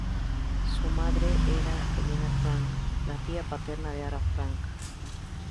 Su madre era Helena Frank, la tía paterna de Ana Frank.